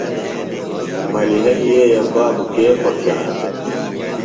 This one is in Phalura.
ملِیحئی یئیے بابوۡ کے خوۡشان دےۡ؟